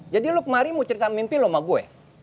jadi lu kemarin mau cerita mimpi lu sama gue